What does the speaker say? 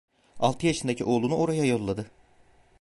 Altı yaşındaki oğlunu oraya yolladı.